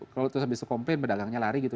kalau terus habis komplain pedagangnya lari gitu